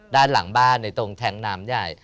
ด้านหลังบ้านในตรงแท้งน้ำใหญ่